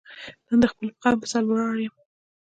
نن د خپل قوم په سر ولاړ یم.